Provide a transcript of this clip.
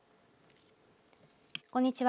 こんにちは。